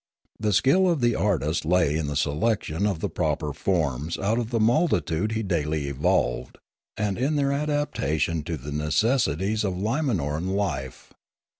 The skill of the artist lay in the selection of the proper forms out of the multitude he daily evolved, and in their adaptation to the necessities of Li ma nor an life.